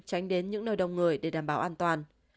tránh đến những nơi đông người để đảm bảo an toàn